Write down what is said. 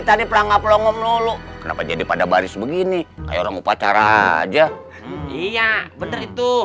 tadi pelangga pelonggong lulu kenapa jadi pada baris begini ayo rambut pacar aja iya bener itu